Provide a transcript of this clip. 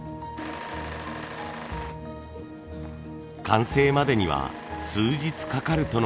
完成までには数日かかるとの事。